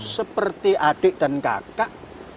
seperti adik dan kakak